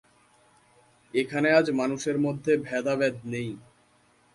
এখানে আজ মানুষের মধ্যে ভেদাভেদ নেই।